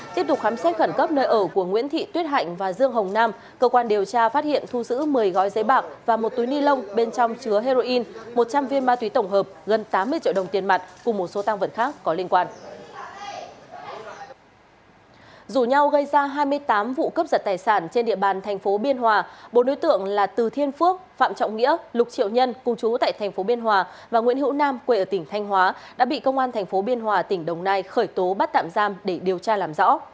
tại khu vực đường nguyễn thị tuyết hạnh và dương hồng nam cùng chú tại phường lê lợi thành phố bắc giang cũng bị khám xét khẩn cấp nơi ở